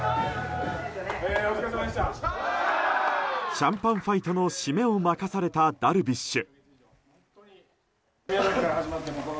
シャンパンファイトの締めを任されたダルビッシュ。